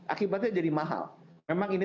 akibatnya jadi mahal memang ini